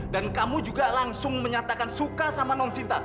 dan kamu juga langsung menyatakan suka sama nonsinta